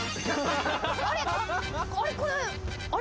あれ？